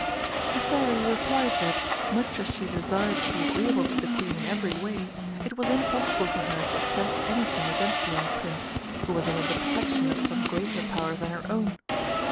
The Fairy replied that, much as she desired to be agreeable to the Queen in every way, it was impossible for her to attempt anything against the young Prince, who was under the protection of some greater Power than her own.